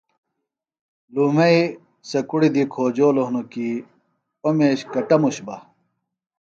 لُومئی سےۡ کُڑیۡ دی کھوجولوۡ ہنوۡ کیۡ اوۡ میش کٹموش بہ